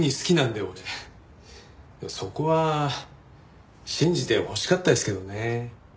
でもそこは信じてほしかったですけどね。